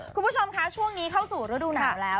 คุณผู้ชมคะช่วงนี้เข้าสู่ฤดูหนาวแล้ว